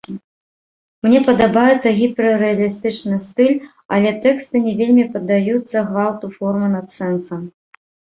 Мне падабаецца гіперрэалістычны стыль, але тэксты не вельмі паддаюцца гвалту формы над сэнсам.